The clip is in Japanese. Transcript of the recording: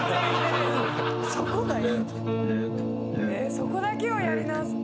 そこだけをやり直す。